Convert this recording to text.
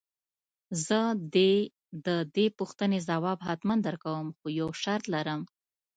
زه دې د دې پوښتنې ځواب حتماً درکوم خو يو شرط لرم.